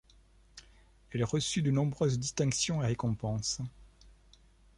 Elle reçut de nombreuses distinctions et récompenses.